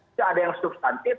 tidak ada yang substantif